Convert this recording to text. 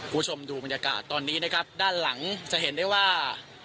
คุณผู้ชมดูบรรยากาศตอนนี้นะครับด้านหลังจะเห็นได้ว่า